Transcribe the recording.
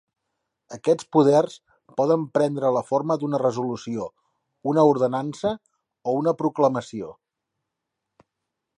Aquests poders poden prendre la forma d'una resolució, una ordenança o una proclamació.